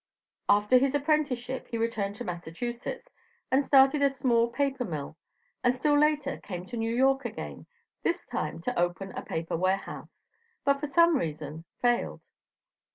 After his apprenticeship he returned to Massachusetts and started a small paper mill, and still later came to New York again, this time to open a paper warehouse, but for some reason failed.